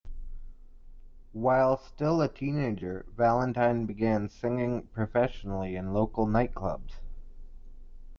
While still a teenager, Valentine began singing professionally in local nightclubs.